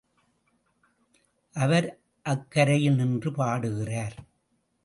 அவர் அக்கரையில் நின்று பாடுகிறார்.